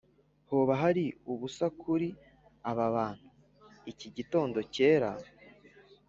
hoba hari ubusa kuri aba bantu, iki gitondo cyera?